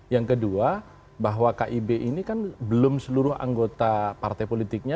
yang kedua bahwa kib ini kan belum seluruh anggota partai politiknya